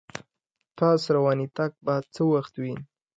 تاس روانیدتک به څه وخت وین